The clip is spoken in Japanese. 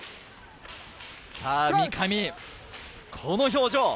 さぁ三上、この表情。